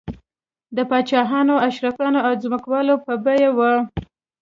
د پاچاهانو، اشرافو او ځمکوالو په بیه و